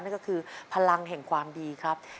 นั่นก็คือพลังแห่งความดีครับ